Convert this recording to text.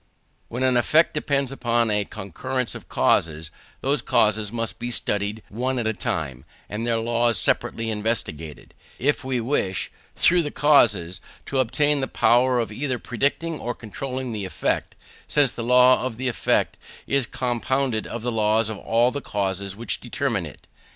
When an effect depends upon a concurrence of causes, those causes must be studied one at a time, and their laws separately investigated, if we wish, through the causes, to obtain the power of either predicting or controlling the effect; since the law of the effect is compounded of the laws of all the causes which determine it.